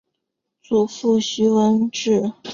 祖父徐文质。